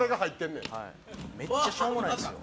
「めっちゃしょうもないっすよ」